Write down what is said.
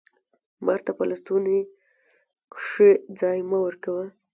مار ته په لستوڼي کښي ځای مه ورکوه